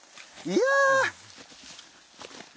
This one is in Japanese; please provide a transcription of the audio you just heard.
いや！